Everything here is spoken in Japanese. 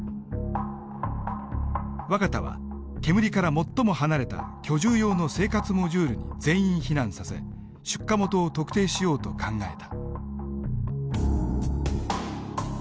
若田は煙から最も離れた居住用の生活モジュールに全員避難させ出火元を特定しようと考えた。